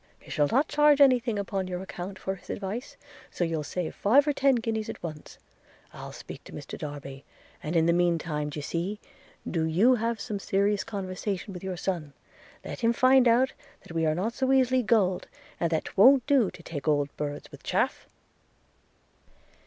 He shall not charge any thing upon your account for his advice; so you'll save five or ten guineas at once. I'll speak to Mr Darby; and in the mean time, d'ye see, do you have some serious conversation with your son. Let him find out that we are not so easily to be gull'd; and that 'twon't do to take old birds with chaff.'